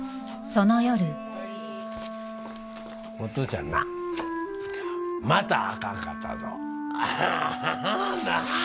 その夜お父ちゃんなまたあかんかったぞ。はははのは！